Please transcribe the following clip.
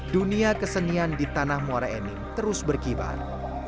dunia kesenian di tanah muara enim terus berkibar